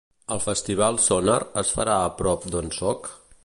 El Festival "Sónar" es farà a prop d'on soc?